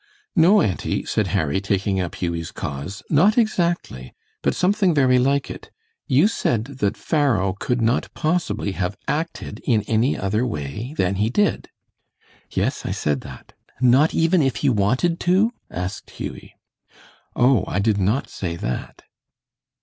"No, auntie," said Harry, taking up Hughie's cause, "not exactly, but something very like it. You said that Pharaoh could not possibly have acted in any other way than he did." "Yes, I said that." "Not even if he wanted to?" asked Hughie. "Oh, I did not say that."